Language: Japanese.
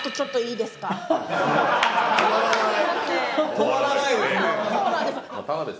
止まらないですね。